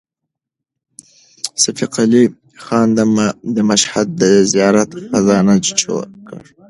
صفي قلي خان د مشهد د زیارت خزانه چور کړه.